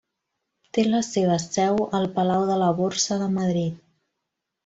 Té la seva seu al Palau de la Borsa de Madrid.